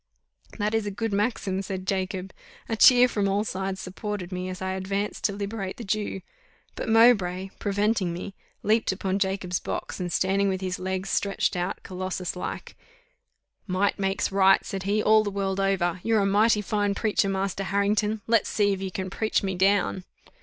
'" "That is a good maxim," said Jacob: a cheer from all sides supported me, as I advanced to liberate the Jew; but Mowbray, preventing me, leaped upon Jacob's box, and standing with his legs stretched out, Colossus like, "Might makes right," said he, "all the world over. You're a mighty fine preacher, Master Harrington; let's see if you can preach me down."